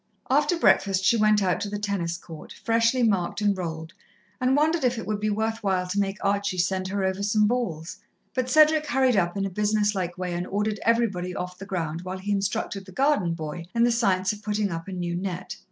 After breakfast she went out to the tennis court, freshly marked and rolled, and wondered if it would be worth while to make Archie send her over some balls, but Cedric hurried up in a business like way and ordered everybody off the ground while he instructed the garden boy in the science of putting up a new net.